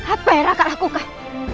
apa yang raka lakukan